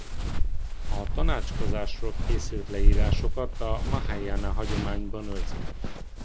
A tanácskozásról készült leírásokat a mahájána hagyományban őrzik.